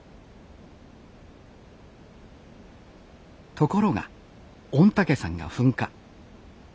ところが御嶽山が噴火。